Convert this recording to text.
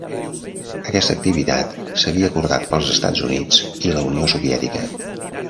Aquesta activitat s'havia acordat pels Estats Units i la Unió Soviètica.